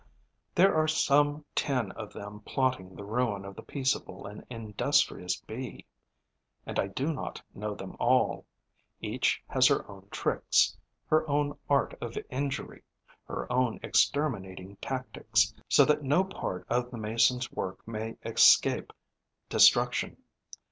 There are some ten of them plotting the ruin of the peaceable and industrious Bee; and I do not know them all. Each has her own tricks, her own art of injury, her own exterminating tactics, so that no part of the Mason's work may escape destruction.